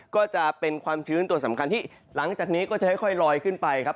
ก็จะเป็นความชื้นตัวสำคัญที่หลังจากนี้ก็จะค่อยลอยขึ้นไปครับ